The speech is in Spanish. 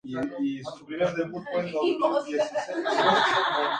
Su centro administrativo es Goriachi Kliuch.